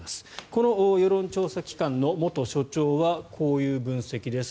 この世論調査機関の元所長はこういう分析です。